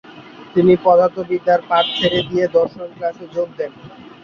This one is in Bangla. তিনি পদার্থবিদ্যার পাঠ ছেড়ে দিয়ে দর্শন ক্লাসে যোগ দেন।